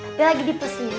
tapi lagi di pusingin